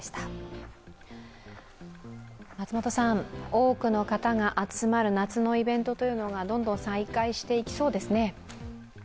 多くの方が集まる夏のイベントがどんどん再開していきそうですね。